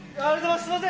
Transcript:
すいません。